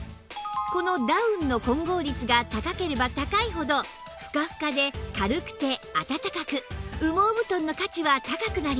このダウンの混合率が高ければ高いほどふかふかで軽くてあたたかく羽毛布団の価値は高くなります